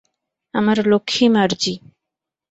আমার লক্ষী মার্জি।